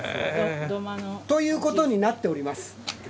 ということになっております。